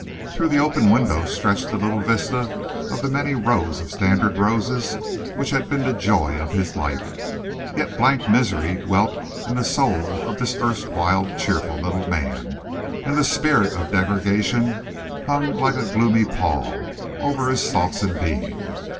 Through the open windows stretched a little vista of the many rows of standard roses which had been the joy of his life. Yet blank misery dwelt in the soul of this erstwhile cheerful little man, and the spirit of degradation hung like a gloomy pall over his thoughts and being.